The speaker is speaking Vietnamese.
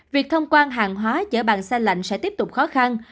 việc thông quan hàng hóa chở bằng xe lạnh sẽ tiếp tục khó khăn